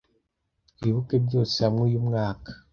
Twibuke Byose hamwe uyu mwaka?